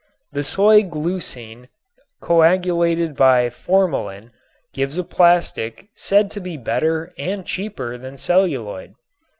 The soy glucine coagulated by formalin gives a plastic said to be better and cheaper than celluloid.